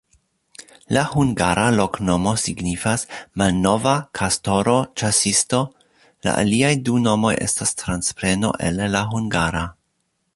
La hungara loknomo signifas: malnova-kastoro-ĉasisto, la aliaj du nomoj estas transpreno el la hungara.